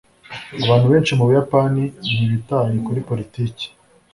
Abantu benshi mu Buyapani ntibitaye kuri politiki